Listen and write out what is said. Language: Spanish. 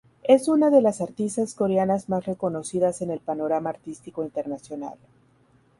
Es una de las artistas coreanas más reconocidas en el panorama artístico internacional.